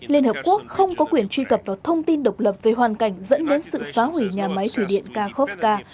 liên hợp quốc không có quyền truy cập vào thông tin độc lập về hoàn cảnh dẫn đến sự phá hủy nhà máy thủy điện kakhovca